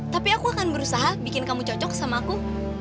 tapi aku akan berusaha bikin kamu cocok sama aku